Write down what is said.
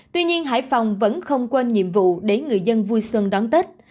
tuy nhiên hải phòng vẫn không quên nhiệm vụ để người dân vui xuân đón tết